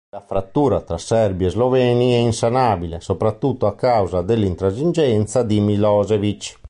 La frattura tra Serbi e Sloveni è insanabile, soprattutto a causa dell'intransigenza di Milošević.